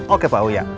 oke pak oya